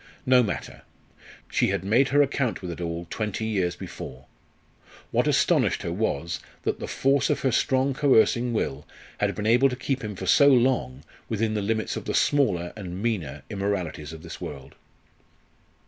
No matter. She had made her account with it all twenty years before. What astonished her was, that the force of her strong coercing will had been able to keep him for so long within the limits of the smaller and meaner immoralities of this world.